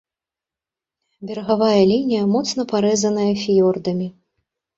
Берагавая лінія моцна парэзаная фіёрдамі.